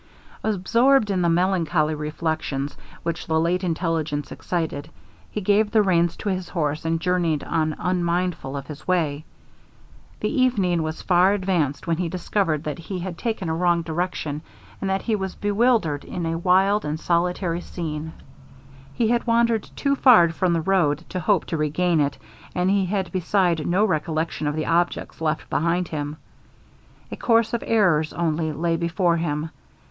Absorbed in the melancholy reflections which the late intelligence excited, he gave the reins to his horse, and journeyed on unmindful of his way. The evening was far advanced when he discovered that he had taken a wrong direction, and that he was bewildered in a wild and solitary scene. He had wandered too far from the road to hope to regain it, and he had beside no recollection of the objects left behind him. A choice of errors, only, lay before him.